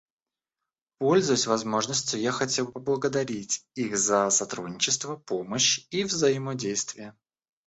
Пользуясь возможностью, я хотел бы поблагодарить их за сотрудничество, помощь и взаимодействие.